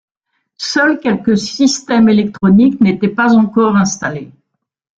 Seuls quelques systèmes électroniques n’étaient pas encore installés.